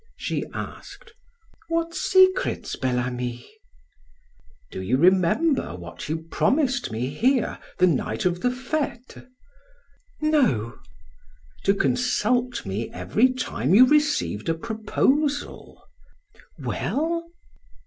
She asked: "What secrets, Bel Ami?" "Do you remember what you promised me here the night of the fete?" "No." "To consult me every time you received a proposal." "Well?"